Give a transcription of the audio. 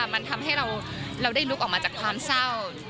มันทำให้เราได้ลุกออกมาจากความเศร้า